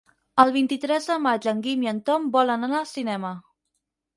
El vint-i-tres de maig en Guim i en Tom volen anar al cinema.